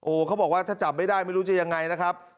เขาบอกว่าถ้าจับไม่ได้ไม่รู้จะยังไงนะครับ